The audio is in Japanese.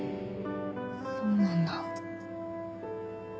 そうなんだ。